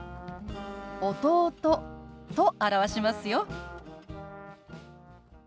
「弟」と表しますよ。